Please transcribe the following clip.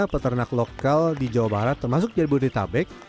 peternak lokal di jawa barat termasuk dari butir tabek